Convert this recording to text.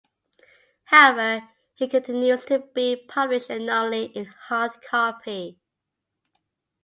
However, it continues to be published annually in hard copy.